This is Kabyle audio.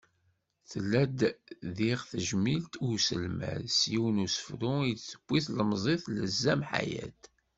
Tella-d diɣ tejmilt i uselmad s yiwen n usefru, i d-tewwi tlemẓit Lezzam Ḥayat.